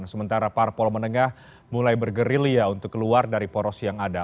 sementara parpol menengah mulai bergerilya untuk keluar dari poros yang ada